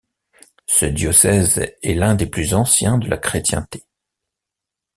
Ce diocèse est l'un des plus anciens de la chrétienté.